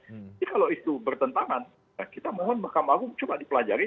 jadi kalau itu bertentangan kita mohon mahkamah agung coba dipelajari